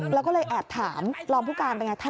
แล้วก็เลยแอบถามรองผู้การเป็นไง